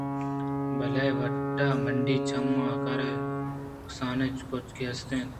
بال ءِ وت مِنڈی چمّ آہن کارے ءَ کسانیں کُچکّے است اَت